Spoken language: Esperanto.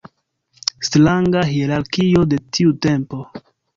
Stranga hierarkio de tiu tempo.